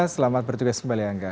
selamat bertugas kembali angga